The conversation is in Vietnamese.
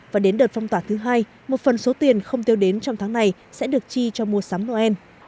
và đến đợt phong tỏa thứ hai một phần số tiền không tiêu đến trong tháng này sẽ được chi cho mua sắm noel